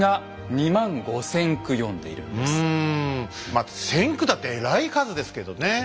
まあ１，０００句だってえらい数ですけどね。